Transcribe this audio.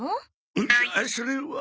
うっそれは。